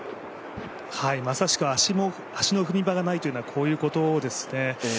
まさしく足の踏み場がないというのはこういうことですね。